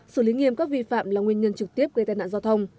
xử lý nghiêm các vi phạm là nguyên nhân trực tiếp gây tai nạn giao thông